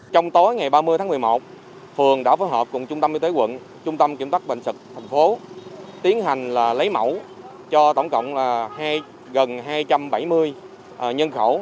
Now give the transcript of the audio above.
trong tối ngày ba mươi tháng một mươi một phường đã phối hợp cùng trung tâm y tế quận trung tâm kiểm soát bệnh sạc thành phố tiến hành lấy mẫu cho tổng cộng là gần hai trăm bảy mươi nhân khẩu